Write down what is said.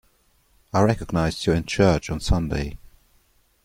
I recognized you in church on Sunday.